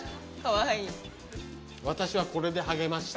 私はこれでハゲました。